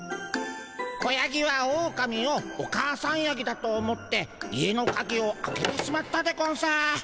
子ヤギはオオカミをお母さんヤギだと思って家のカギを開けてしまったでゴンス。